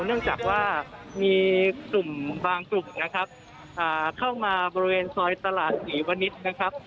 เนื่องจากว่ามีกลุ่มบางกลุ่มนะครับเข้ามาบริเวณซอยตลาดศรีวนิษฐ์นะครับ